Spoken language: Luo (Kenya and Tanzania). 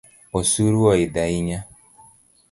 Osuru oidhi ahinya